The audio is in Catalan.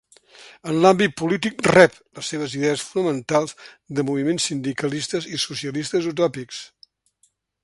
En l'àmbit polític rep les seves idees fonamentals de moviments sindicalistes i socialistes utòpics.